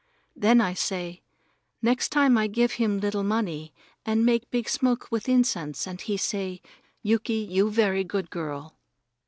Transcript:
Then I say: "Next time I give him little money and make big smoke with incense," and he say, "Yuki, you very good girl."